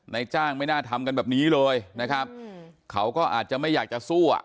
ในจ้างไม่น่าทำกันแบบนี้เลยนะครับเขาก็อาจจะไม่อยากจะสู้อ่ะ